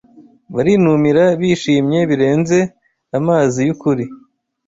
Barinubira bishimye birenze amazi yukuri